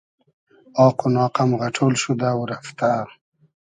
آق و ناق ام غئݖۉل شودۂ و رئفتۂ